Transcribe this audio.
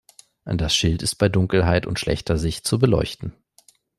Das Schild ist bei Dunkelheit und schlechter Sicht zu beleuchten.